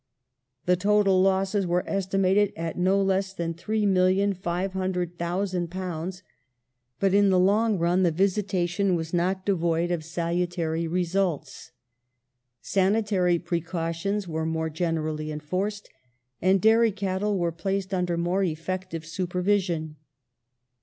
The total losses were estimated at no less than £3,500,000, but in the long run the visitation was not devoid of salutary results ; sanitary precautions were more generally enforced, and dairy cattle were placed under more effective supervision.